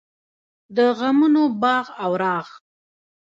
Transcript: د غمونو باغ او راغ.